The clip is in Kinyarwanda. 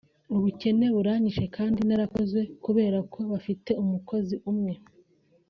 ubukene buranyishe kandi narakoze kubera ko bafite umukozi umwe